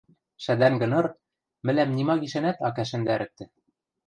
Шӓдӓнгӹ ныр мӹлӓм нима гишӓнӓт ак ӓшӹндӓрӹктӹ.